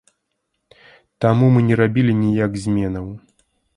Таму мы не рабілі ніяк зменаў.